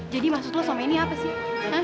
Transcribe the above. jadi maksud lo someni apa sih